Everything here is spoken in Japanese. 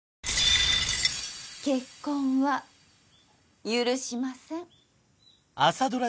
結婚は許しません朝ドラ